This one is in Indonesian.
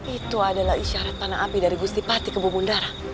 itu adalah isyarat panah api dari gusti pati ke bumbu ndara